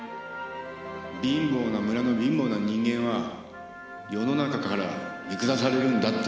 貧乏な村の貧乏な人間は世の中から見下されるんだって。